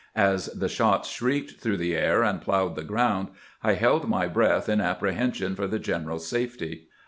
As the shots shrieked through the air, and plowed the grdund, I held my breath in apprehension for the general's safety.